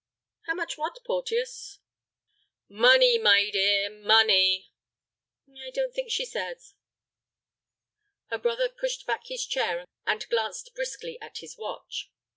"How much what, Porteus?" "Money, my dear, money." "I don't think she says." Her brother pushed back his chair, and glanced briskly at his watch.